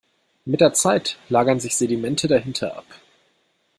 Mit der Zeit lagern sich Sedimente dahinter ab.